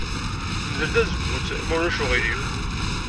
Mdel tazewwut, ma ulac aɣilif.